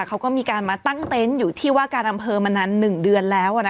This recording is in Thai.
เขาก็มีการมาตั้งเต็นต์อยู่ที่ว่าการอำเภอมานาน๑เดือนแล้ว